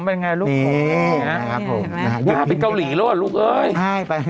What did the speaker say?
เป็นเกาหลีล่วลลูกเอ๊ย